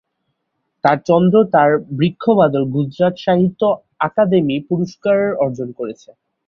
তাঁর চন্দ্র তারা বৃক্ষ বাদল গুজরাট সাহিত্য আকাদেমি পুরস্কার অর্জন করেছে।